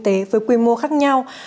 tế với quy mô khác nhau